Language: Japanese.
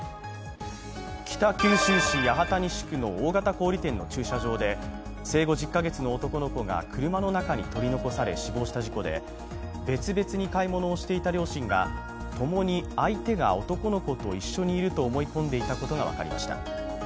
北九州市八幡西区の大型小売店の駐車場で生後１０か月の男の子が車の中に取り残され、死亡した事故で別々に買い物をしていた両親がともに相手が男の子と一緒にいると思い込んでいたことが分かりました。